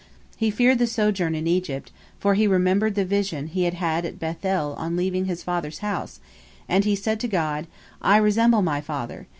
He feared the sojourn in Egypt, for he remembered the vision he had had at Beth el on leaving his father's house, and he said to God: "I resemble my father.